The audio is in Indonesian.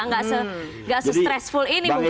nggak se stressful ini mungkin